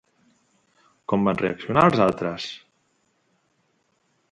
Com van reaccionar els altres?